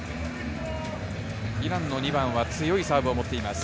イランの２番は強いサーブを持っています。